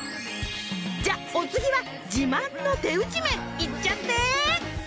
じゃあお次は自慢の手打ち麺いっちゃって。